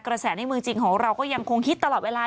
กระแสในเมืองจริงของเราก็ยังคงฮิตตลอดเวลา